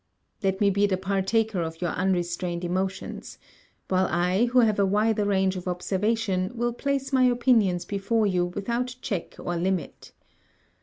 Let me be the partaker of your unrestrained emotions; while I, who have a wider range of observation, will place my opinions before you without check or limit.